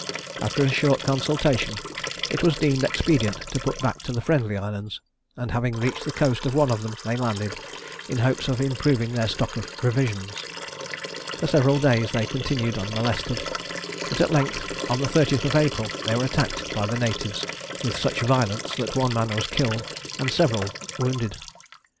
After a short consultation, it was deemed expedient to put back to the Friendly Islands; and having reached the coast of one of them, they landed, in hopes of improving their stock of provisions. For several days they continued unmolested; but at length, on the 30th of April, they were attacked by the natives with such violence [Illustration: The Mutiny of the Bounty. p. 329] that one man was killed, and several wounded.